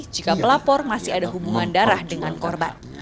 jika pelapor masih ada hubungan darah dengan korban